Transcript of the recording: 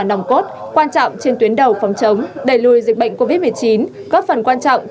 nòng cốt quan trọng trên tuyến đầu phòng chống đẩy lùi dịch bệnh covid một mươi chín góp phần quan trọng